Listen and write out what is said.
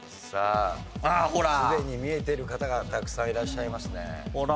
さあすでに見えてる方がたくさんいらっしゃいますね。